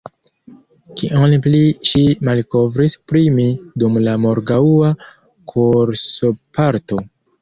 Kion pli ŝi malkovris pri mi dum la morgaŭa kursoparto?